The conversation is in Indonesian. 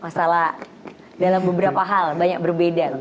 masalah dalam beberapa hal banyak berbeda